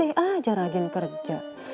udah kaya masih aja rajin kerja